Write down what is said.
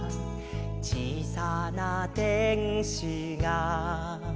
「小さなてんしが」